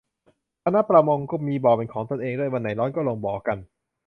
คณะประมง มีบ่อเป็นของตนเองด้วย วันไหนร้อนก็ลงบ่อกัน